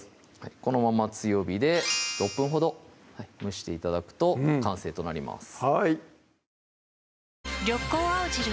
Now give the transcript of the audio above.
このまま強火で６分ほど蒸して頂くと完成となります